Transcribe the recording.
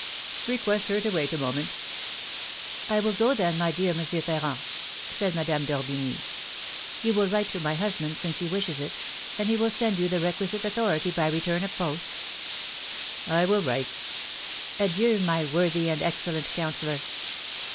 "Request her to wait a moment." "I will go, then, my dear M. Ferrand," said Madame d'Orbigny. "You will write to my husband, since he wishes it, and he will send you the requisite authority by return of post?" "I will write." "Adieu, my worthy and excellent counsellor!"